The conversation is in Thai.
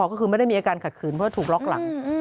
ก็คือไม่ได้มีอาการขัดขืนเพราะถูกล็อกหลัง